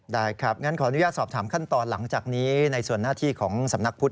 ได้ครับงั้นขออนุญาตสอบถามขั้นตอนหลังจากนี้ในส่วนหน้าที่ของสำนักพุทธ